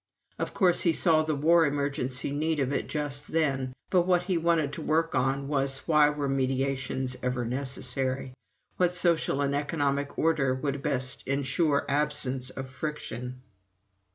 Of course he saw the war emergency need of it just then, but what he wanted to work on was, why were mediations ever necessary? what social and economic order would best ensure absence of friction?)